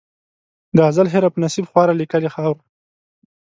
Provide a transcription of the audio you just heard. د ازل هېره په نصیب خواره لیکلې خاوره